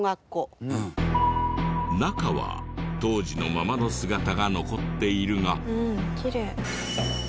中は当時のままの姿が残っているが。